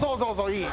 いい！